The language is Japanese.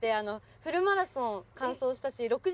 フルマラソン完走したし６０